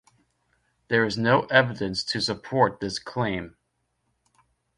There is no evidence to support this claim.